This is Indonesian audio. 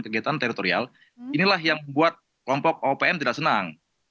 dan teritorial inilah yang membuat kelompok opm tidak senang